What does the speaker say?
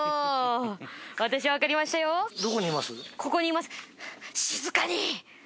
ここにいます